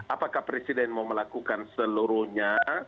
apakah presiden mau melakukan seluruhnya